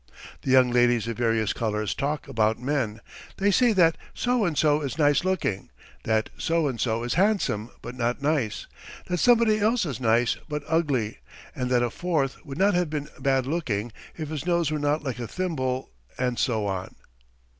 The young ladies of various colours talk about men: they say that So and So is nice looking, that So and So is handsome but not nice, that somebody else is nice but ugly, and that a fourth would not have been bad looking if his nose were not like a thimble, and so on.